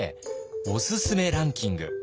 おすすめランキング。